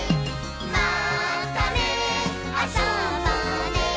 「またねあそぼうね